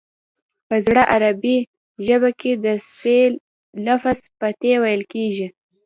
په زړه عربي ژبه کې د ث لفظ په ت ویل کیږي